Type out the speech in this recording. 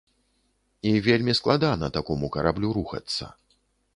І вельмі складана такому караблю рухацца.